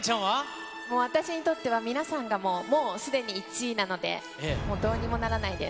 もう私にとっては、皆さんがもうすでに１位なので、どうにもならないです。